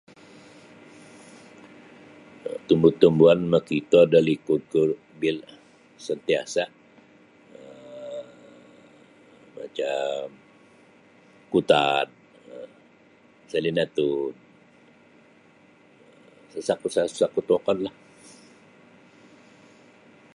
Tumbu-tumbuan makito da liku bil santiasa um macam kutad um salinatud um sasakut sasakut wokon kah.